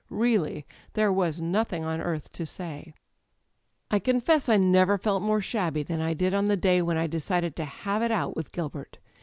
Really there was nothing on earth to say '^I confess I never felt more shabbUy than I did on the day when I decided to have it out with Gilbert.